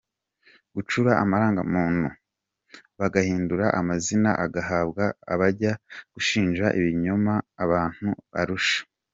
Gucura amarangamuntu bagahindura amazina agahabwa abajya gushinja ibinyoma abantu Arusha